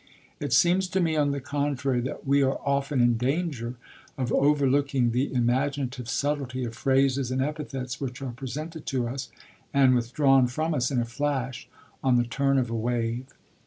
It seems to me, on the contrary, that we are often in danger of overlooking the imaginative subtlety of phrases and epithets which are presented to us and withdrawn from us in a flash, on the turn of a wave.